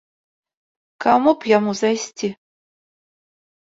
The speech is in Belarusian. К каму б яму зайсці?